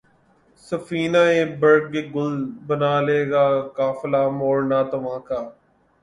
سفینۂ برگ گل بنا لے گا قافلہ مور ناتواں کا